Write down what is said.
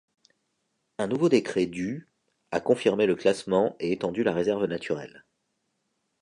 Un nouveau décret du a confirmé le classement et étendu la réserve naturelle.